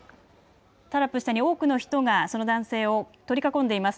タラップ下に多くの人がその男性を取り囲んでいます。